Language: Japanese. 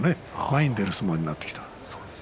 前に出る相撲ができてきた。